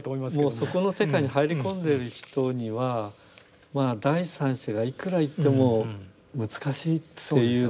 もうそこの世界に入り込んでる人には第三者がいくら言っても難しいっていうのが実感ですね。